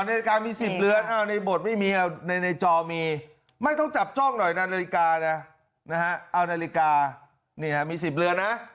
นาฬิกามี๑๐เรือนในบทไม่มีในจอมีไม่ต้องจับจ้องหน่อยนาฬิกานะเอานาฬิกามี๑๐เรือนนะ